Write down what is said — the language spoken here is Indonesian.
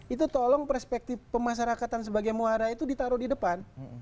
itu tolong perspektif pemasarakatan sebagai muara itu ditaruh di depan